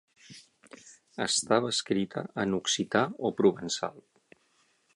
Estava escrita en occità o provençal.